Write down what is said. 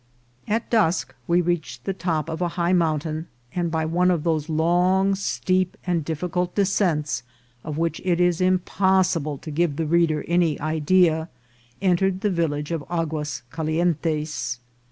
At dusk we reached the top of a high mountain, and by one of those long, steep, and difficult descents of which it is impossible to give the reader any idea, entered the village of Agua Calientes.